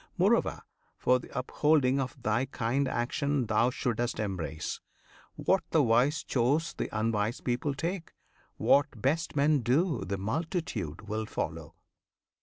Moreover, for the upholding of thy kind, Action thou should'st embrace. What the wise choose The unwise people take; what best men do The multitude will follow.